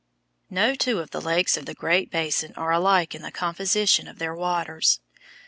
No two of the lakes of the Great Basin are alike in the composition of their waters.